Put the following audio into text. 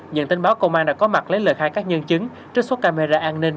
nhận tin báo công an đã có mặt lấy lời khai các nhân chứng trích xuất camera an ninh